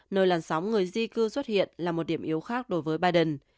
nơi làn sóng người di cư xuất hiện là một điểm yếu khác đối với biden